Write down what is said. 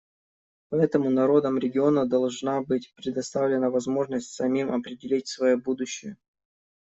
Поэтому народам региона должна быть предоставлена возможность самим определить свое будущее.